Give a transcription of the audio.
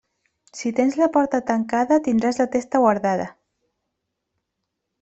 Si tens la porta tancada, tindràs la testa guardada.